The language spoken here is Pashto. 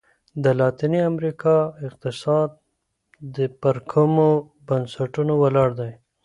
د لاتیني امریکا اقتصاد پر کومو بنسټونو ولاړ دی؟